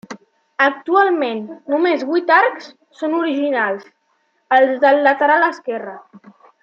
Actualment només vuit arcs són originals, els del lateral esquerre.